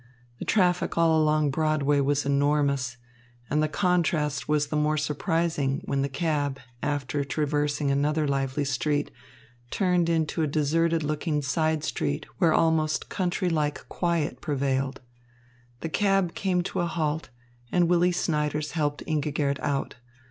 The traffic all along Broadway was enormous, and the contrast was the more surprising when the cab, after traversing another lively street, turned into a deserted looking side street, where almost country like quiet prevailed. The cab came to a halt, and Willy Snyders helped Ingigerd out.